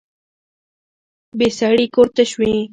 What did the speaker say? بې سړي کور تش وي